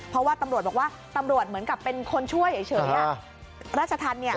เพราะว่าตำรวจบอกว่าตำรวจเหมือนกับเป็นคนช่วยเฉย